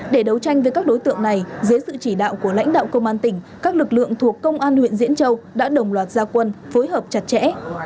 để đấu tranh với các đối tượng này dưới sự chỉ đạo của lãnh đạo công an tỉnh các lực lượng thuộc công an huyện diễn châu đã đồng loạt gia quân phối hợp chặt chẽ